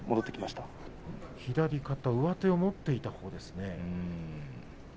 上手を持っていたほうですね。